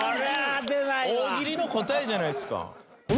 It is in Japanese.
大喜利の答えじゃないですか。